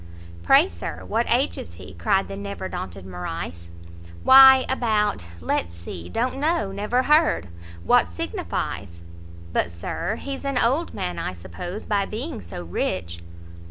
"Pray; Sir, what age is he?" cried the never daunted Morrice. "Why about let's see don't know, never heard, what signifies?" "But, Sir, he's an old man, I suppose, by being so rich?"